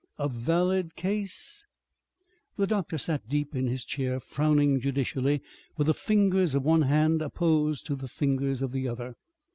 "A valid case?" The doctor sat deep in his chair, frowning judicially with the fingers of one hand apposed to the fingers of the other.